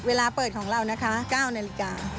เวลาเปิดของเรานะคะ๙นาฬิกา